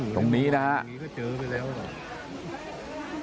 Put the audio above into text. ตรงนี้นะครับ